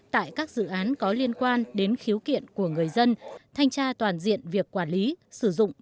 tại các dự án có liên quan đến khiếu kiện của người dân thanh tra toàn diện việc quản lý sử dụng